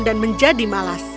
dan menjadi malas